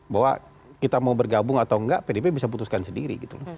bahwa kita mau bergabung atau enggak pdip bisa putuskan sendiri gitu loh